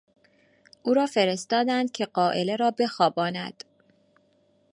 او را فرستادند که غائله را بخواباند.